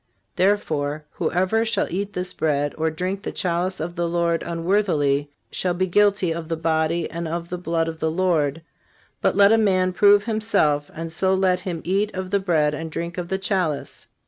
Therefore, whoever shall eat this bread, or drink the chalice of the Lord unworthily, _shall be guilty of the body and of __ the blood of the Lord_. But let a man prove himself; and so let him eat of that bread and drink of the chalice.